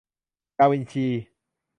ดาวินชี